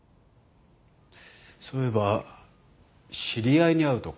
そういえば知り合いに会うとか。